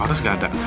pak ustadz nggak ada